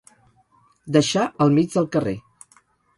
Deixar al mig del carrer.